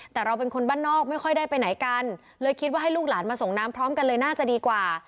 แต่เราเป็นคนบ้านนอกไม่ค่อยได้ไปไหนกันเลยคิดว่าให้ลูกหลานมาส่งน้ำพร้อมกันเลยน่าจะดีกว่า